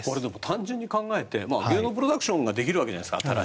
単純に考えて新しい芸能プロダクションができるわけじゃないですか。